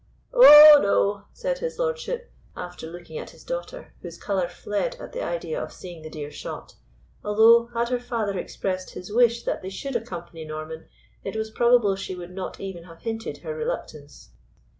"Oh no," said his lordship, after looking at his daughter, whose colour fled at the idea of seeing the deer shot, although, had her father expressed his wish that they should accompany Norman, it was probable she would not even have hinted her reluctance.